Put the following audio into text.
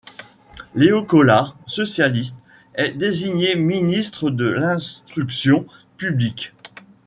Léo Collard, socialiste, est désigné ministre de l’Instruction Publique.